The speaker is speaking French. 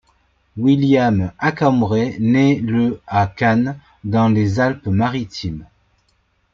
William Accambray nait le à Cannes, dans les Alpes-Maritimes.